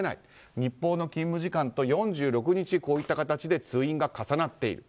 日報の勤務時間と４６日、こういった形で通院が重なっている。